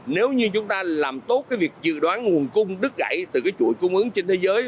nếu như chúng ta làm tốt cái việc dự đoán nguồn cung đứt gãy từ cái chuỗi cung ứng trên thế giới